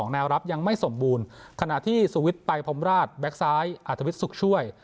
แนวรับยังไม่สมบูรณ์ขณะที่สุวิทย์ไปพรมราชแบ็คซ้ายอัธวิทย์สุขช่วย